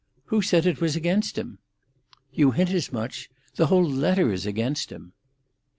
"Who said it was against him?" "You hint as much. The whole letter is against him."